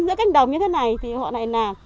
giữa cánh đồng như thế này thì họ này